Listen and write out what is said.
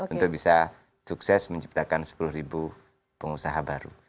untuk bisa sukses menciptakan sepuluh pengusaha baru